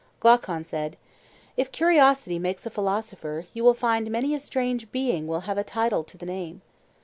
Glaucon said: If curiosity makes a philosopher, you will find many a strange being will have a title to the name.